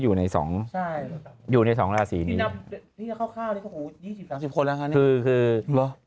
อยู่ใน๒ราศีนี้นี่เข้าข้าวนี่พระหู๒๐๓๐คนแล้วค่ะเนี่ย